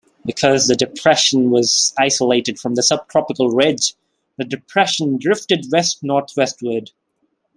Because the depression was isolated from the subtropical ridge, the depression drifted west-northwestward.